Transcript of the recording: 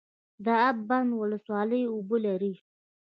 د اب بند ولسوالۍ اوبه لري